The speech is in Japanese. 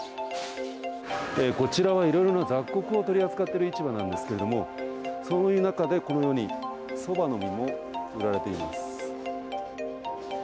こちらはいろいろな雑穀を取り扱っている市場なんですけれども、そういう中で、このようにそばの実も売られています。